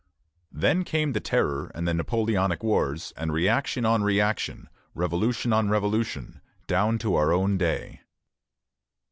Then came the Terror and the Napoleonic wars, and reaction on reaction, revolution on revolution, down to our own day.